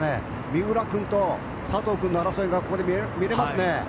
三浦君と佐藤君の争いがここで見られますね。